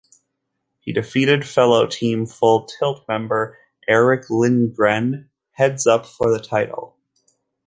He defeated fellow Team Full Tilt member Erick Lindgren heads up for the title.